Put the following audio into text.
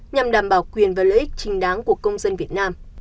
nhằm đảm bảo quyền và lợi ích trình đáng của công dân việt nam